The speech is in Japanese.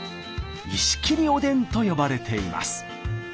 「石切おでん」と呼ばれています。